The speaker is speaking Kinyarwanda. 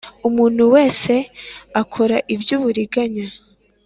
Buri muntu wese akora iby uburiganya